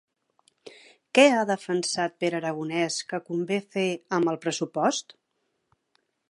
Què ha defensat Pere Aragonès que convé fer amb el pressupost?